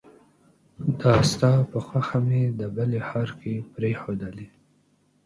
دا ستا په خوښه مې د بلې ښار کې پريښودلې